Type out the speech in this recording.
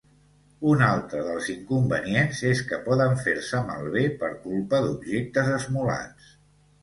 Un altre dels inconvenients és que poden fer-se malbé per culpa d'objectes esmolats.